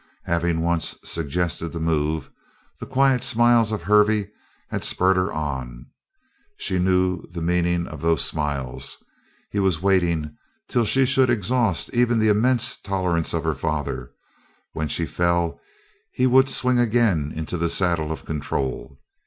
Having once suggested the move, the quiet smiles of Hervey had spurred her on. She knew the meaning of those smiles. He was waiting till she should exhaust even the immense tolerance of her father; when she fell he would swing again into the saddle of control.